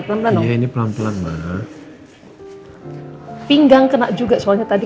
apa ini kasus gila udah sama gigi